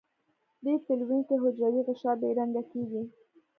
دې تلوین کې حجروي غشا بې رنګه کیږي.